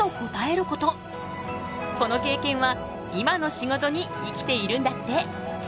この経験は今の仕事に生きているんだって！